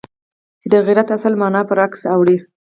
چې د غیرت اصل مانا پر برعکس اوړي.